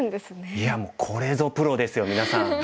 いやもうこれぞプロですよみなさん。